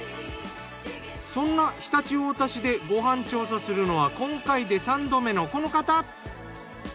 そんな常陸太田市でご飯調査するのは今回で三度目のこの方。